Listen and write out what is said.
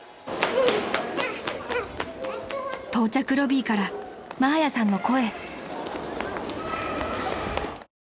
［到着ロビーからマーヤさんの声］